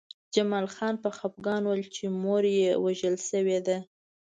جمال خان په خپګان وویل چې مور یې وژل شوې ده